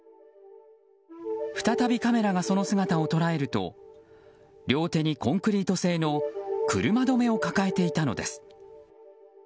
再びカメラがその姿を捉えると両手にコンクリート製の車止めを抱えていたのです。